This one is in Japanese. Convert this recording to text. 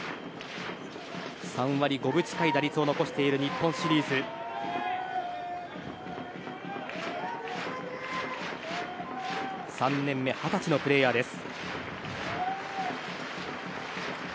３割５分近い打率を残している日本シリーズ。３年目、二十歳のプレーヤーです。